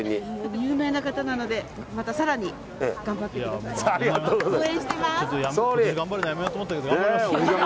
有名な方なのでまた更に頑張ってください。